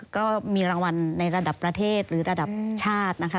ก็มีรางวัลในระดับประเทศหรือระดับชาตินะคะ